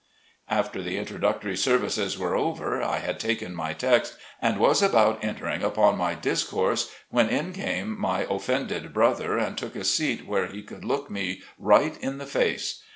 After the introductory services were over I had taken my text, and was about entering upon my discourse when in came my offended brother, and took a seat where he could look me right in the face.